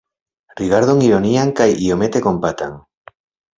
Rigardon ironian kaj iomete kompatan.